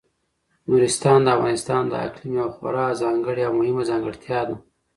نورستان د افغانستان د اقلیم یوه خورا ځانګړې او مهمه ځانګړتیا ده.